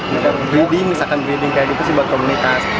misalkan breeding breeding kayak gitu sih buat komunitas